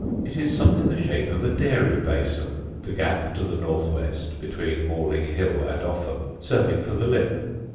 It is something the shape of a dairy basin, the gap to the north west, between Malling Hill and Offham, serving for the lip.